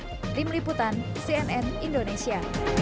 apabila di kemudian hari masih menyediakan fasilitas makan di tempat